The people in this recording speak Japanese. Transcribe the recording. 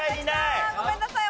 ごめんなさい。